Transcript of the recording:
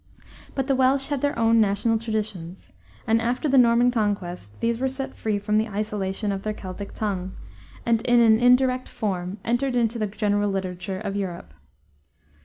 But the Welsh had their own national traditions, and after the Norman Conquest these were set free from the isolation of their Celtic tongue and, in an indirect form, entered into the general literature of Europe.